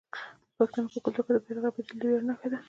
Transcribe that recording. د پښتنو په کلتور کې د بیرغ رپیدل د ویاړ نښه ده.